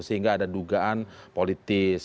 sehingga ada dugaan politis